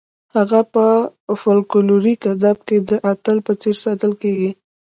هغه په فولکلوریک ادب کې د اتل په څېر ستایل کیږي.